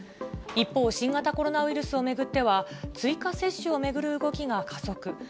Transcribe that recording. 一方、新型コロナウイルスを巡っては、追加接種を巡る動きが加速。